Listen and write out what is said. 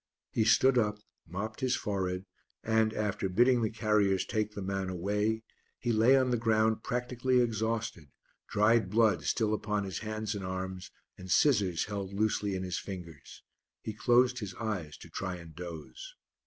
He stood up, mopped his forehead, and, after bidding the carriers take the man away, he lay on the ground practically exhausted, dried blood still upon his hands and arms and scissors held loosely in his fingers; he closed his eyes to try and doze.